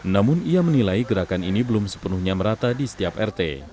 namun ia menilai gerakan ini belum sepenuhnya merata di setiap rt